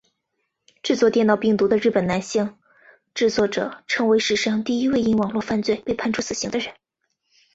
制作电脑病毒的日本男性制作者成为史上第一位因网路犯罪被判处死刑的人。